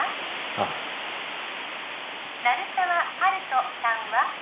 ああ鳴沢温人さんは？